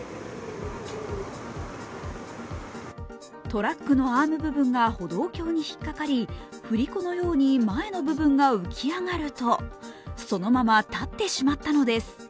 トラックのアーム部分が歩道橋に引っかかり振り子のように前の部分が浮き上がると、そのまま立ってしまったのです。